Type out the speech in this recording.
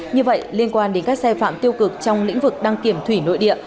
như vậy liên quan đến các sai phạm tiêu cực trong lĩnh vực đăng kiểm thủy nội địa